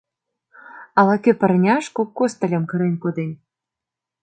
Ала-кӧ пырняш кок костыльым кырен коден.